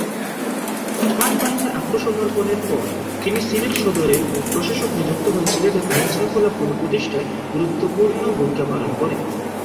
পাক বাহিনীর আত্মসমর্পণের পর তিনি সিলেট সদরের প্রশাসক নিযুক্ত হয়ে সিলেটের আইন-শৃঙ্খলা পুনপ্রতিষ্টায় গুরুত্বপূর্ণ ভূমিকা পালন করেন।